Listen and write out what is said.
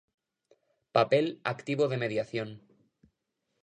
Papel activo de mediación.